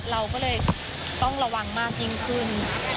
เราก็เลยต้องระวังมากจริงคุณ